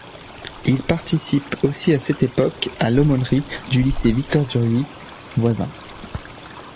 Il participe aussi à cette époque à l’aumônerie du lycée Victor-Duruy, voisin.